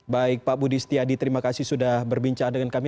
baik pak budi setiadi terima kasih sudah berbincang dengan kami